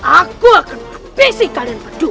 aku akan fisik kalian berdua